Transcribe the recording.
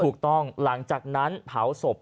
ถูกต้องหลังจากนั้นเผาศพ